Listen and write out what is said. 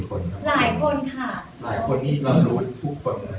หลายคนที่เรารู้ทุกคน